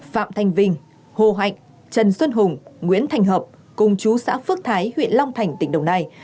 phạm thanh vinh hồ hạnh trần xuân hùng nguyễn thành hợp cùng chú xã phước thái huyện long thành tỉnh đồng nai